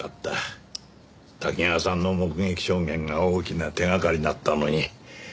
多岐川さんの目撃証言が大きな手掛かりだったのに。